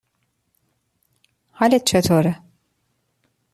حالت چطوره؟